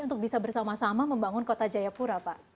untuk bisa bersama sama membangun kota jaipura